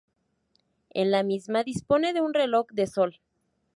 En la misma dispone de un reloj de sol.